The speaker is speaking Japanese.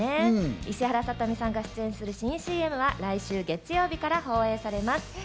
石原さとみさんが出演する新ＣＭは来週月曜日から放映されます。